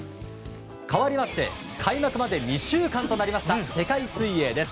かわりまして、開幕まで２週間となった世界水泳です。